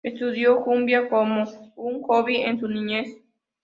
Estudió fungi como un hobby en su niñez.